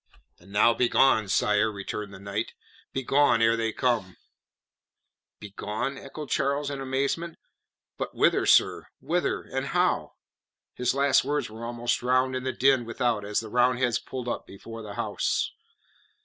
"And now begone, sire," returned the knight. "Begone ere they come." "Begone?" echoed Charles, in amazement. "But whither, sir? Whither and how?" His last words were almost drowned in the din without, as the Roundheads pulled up before the house.